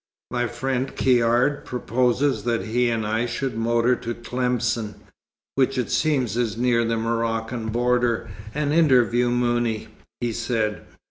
"My friend Caird proposes that he and I should motor to Tlemcen, which it seems is near the Moroccan border, and interview Mouni," he said.